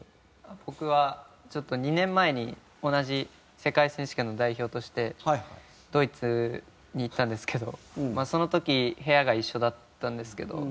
僕はちょっと２年前に同じ世界選手権の代表としてドイツに行ったんですけどその時部屋が一緒だったんですけど。